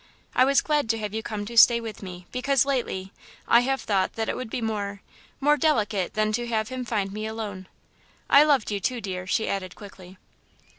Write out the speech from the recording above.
I was glad to have you come to stay with me, because, lately, I have thought that it would be more more delicate than to have him find me alone. I loved you, too, dear," she added quickly.